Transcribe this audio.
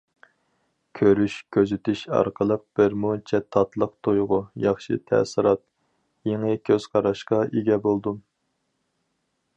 كۆرۈش، كۆزىتىش ئارقىلىق بىر مۇنچە تاتلىق تۇيغۇ، ياخشى تەسىرات، يېڭى كۆز قاراشقا ئىگە بولدۇم.